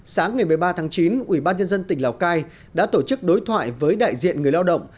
sáng ngày một mươi ba tháng chín ubnd tỉnh lào cai đã tổ chức đối thoại với đại diện người lao động